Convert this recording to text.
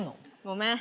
ごめん。